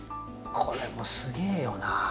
これもすげえよなぁ。